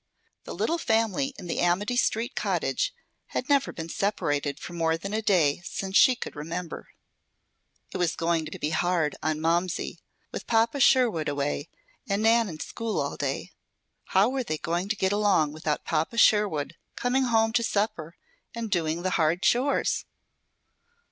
The little family in the Amity street cottage had never been separated for more than a day since she could remember. It was going to be hard on Momsey, with Papa Sherwood away and Nan in school all day. How were they going to get along without Papa Sherwood coming home to supper, and doing the hard chores?